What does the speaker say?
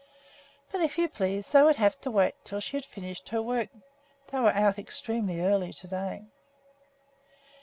But, if you please, they would have to wait until she had finished her work. They were out extremely early to day!